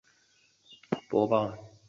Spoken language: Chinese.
每期节目由两名主播负责播报。